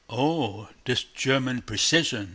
"Oh, this German precision!"